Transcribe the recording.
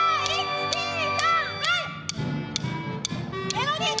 メロディー！